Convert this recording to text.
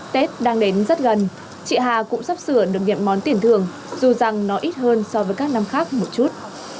tết đang đến rất gần chị hà cũng sắp sửa được những món tiền thường dù rằng nó ít hơn so với các năm khác một chút